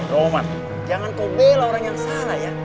romat jangan kau bela orang yang salah ya